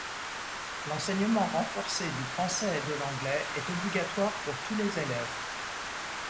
L'enseignement renforcé du français et de l'anglais est obligatoire pour tous les élèves.